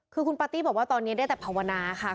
คือคุณปาร์ตี้บอกว่าตอนนี้ได้แต่ภาวนาค่ะ